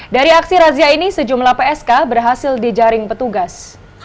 dari aksi razia ini sejumlah psk berhasil dijaring petugas